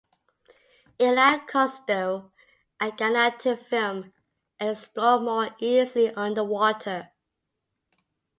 It allowed Cousteau and Gagnan to film and explore more easily underwater.